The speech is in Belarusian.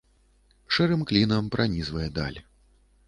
Шэрым клінам пранізвае даль.